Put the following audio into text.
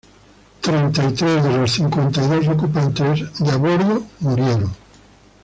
Treinta y tres de los cincuenta y dos ocupantes a bordo murieron.